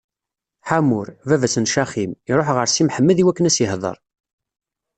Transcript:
Ḥamur, baba-s n Caxim, iṛuḥ ɣer Si Mḥemmed iwakken ad s-ihdeṛ.